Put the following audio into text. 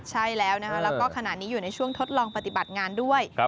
ใช่แล้วนะคะแล้วก็ขณะนี้อยู่ในช่วงทดลองปฏิบัติงานด้วย